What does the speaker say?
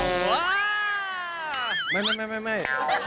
ไง